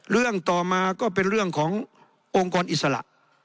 เรื่องต่อมาก็เป็นเรื่องขององค์กรอิสระ